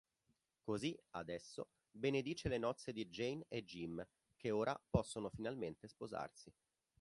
Così, adesso, benedice le nozze di Jane e Jim che ora possono finalmente sposarsi.